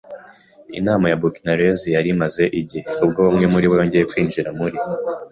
Inama ya buccaneers yari imaze igihe, ubwo umwe muribo yongeye kwinjira muri